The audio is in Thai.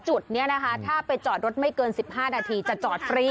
จุดนี้นะคะถ้าไปจอดรถไม่เกิน๑๕นาทีจะจอดฟรี